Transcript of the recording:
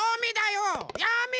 やめろよ！